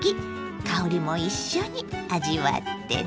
香りも一緒に味わってね。